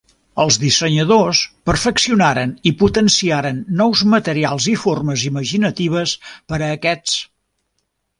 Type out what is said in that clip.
Els dissenyadors perfeccionaren i potenciaren nous materials i formes imaginatives per a aquests.